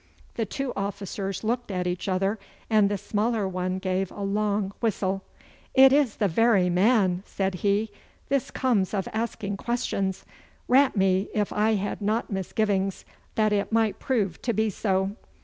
The two officers looked at each other, and the smaller one gave a long whistle. 'It is the very man!' said he. 'This comes of asking questions! Rat me, if I had not misgivings that it might prove to be so.